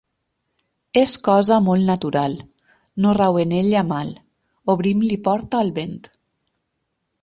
És cosa molt natural, no rau en ella mal: obrim-li porta al vent.